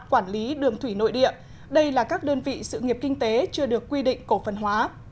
quản lý đường thủy nội địa đây là các đơn vị sự nghiệp kinh tế chưa được quy định cổ phần hóa